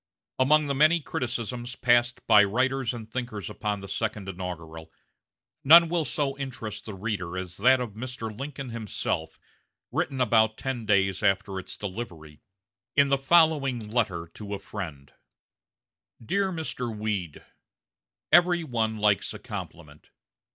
Among the many criticisms passed by writers and thinkers upon the second inaugural, none will so interest the reader as that of Mr. Lincoln himself, written about ten days after its delivery, in the following letter to a friend: "DEAR MR. WEED: Every one likes a compliment.